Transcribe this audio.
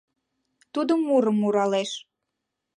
Тудо мурым муралеш